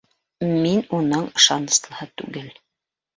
Мин уның ышаныслыһы түгел.